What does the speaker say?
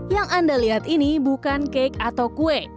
yang anda lihat ini bukan cake atau kue